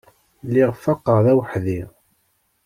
Lliɣ faqeɣ d aweḥdi.